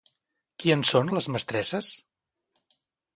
Qui en són les mestresses?